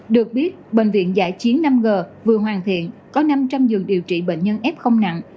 được biết bệnh viện giải chiến năm g vừa hoàn thiện có năm trăm linh giường điều trị bệnh nhân ép không nặng